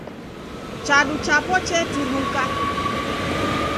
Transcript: Chadu chapo cheturuka.